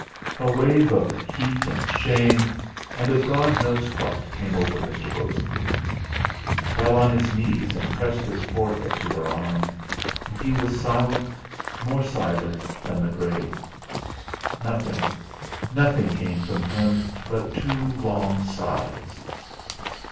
A wave of heat and shame, and of God knows what came over Mr. Bosengate; he fell on his knees and pressed his forehead to her arm; and he was silent, more silent than the grave. Nothing nothing came from him but two long sighs.